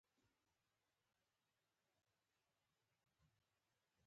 ده ته دا وسوسه ور لوېدلې چې ګني دی په سرطان ناروغۍ اخته دی.